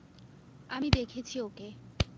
আমি দেখেছি ওকে।